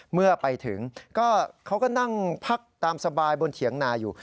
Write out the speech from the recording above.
เมื่อไปถึงก็เขาก็นั่งพักตามสบายบนเถียงนาอยู่